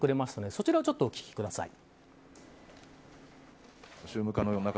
そちらをお聞きください。